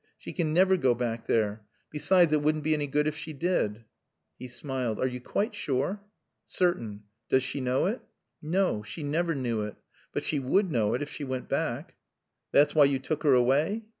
She can never go back there. Besides, it wouldn't be any good if she did." He smiled. "Are you quite sure?" "Certain." "Does she know it?" "No. She never knew it. But she would know it if she went back." "That's why you took her away?"